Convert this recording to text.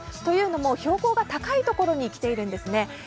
というのも、標高が高いところに来ているんですね。